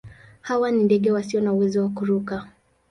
Hawa ni ndege wasio na uwezo wa kuruka.